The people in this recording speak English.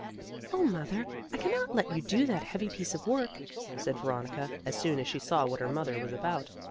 "Oh mother, I cannot let you do that heavy piece of work," said Veronica, as soon as she saw what her mother was about.